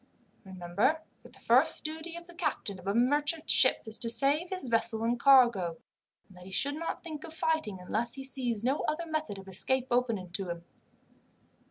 Remember that the first duty of the captain of a merchant ship is to save his vessel and cargo, and that he should not think of fighting unless he sees no other method of escape open to him.